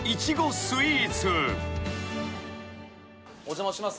お邪魔します。